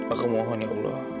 aku mohon ya allah